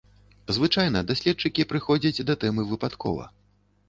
Звычайна даследчыкі прыходзяць да тэмы выпадкова.